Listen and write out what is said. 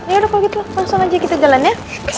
yaudah kalau gitu langsung aja kita jalan ya